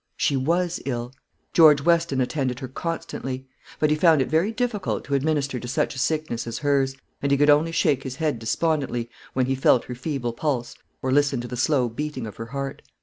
She was ill. George Weston attended her constantly; but he found it very difficult to administer to such a sickness as hers, and he could only shake his head despondently when he felt her feeble pulse, or listened to the slow beating of her heart.